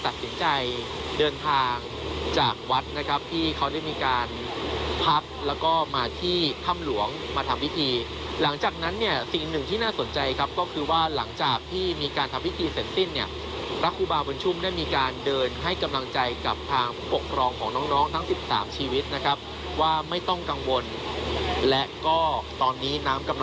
ตัดสินใจเดินทางจากวัดนะครับที่เขาได้มีการพักแล้วก็มาที่ถ้ำหลวงมาทำพิธีหลังจากนั้นเนี่ยสิ่งหนึ่งที่น่าสนใจครับก็คือว่าหลังจากที่มีการทำพิธีเสร็จสิ้นเนี่ยพระครูบาบุญชุมได้มีการเดินให้กำลังใจกับทางผู้ปกครองของน้องน้องทั้ง๑๓ชีวิตนะครับว่าไม่ต้องกังวลและก็ตอนนี้น้ำกำลัง